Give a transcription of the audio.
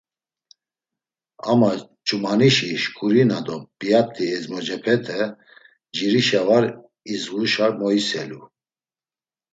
Ama ç̌umanişi şǩurina do p̌iyat̆i ezmocepete ncirişa var idzğuşa moiselu.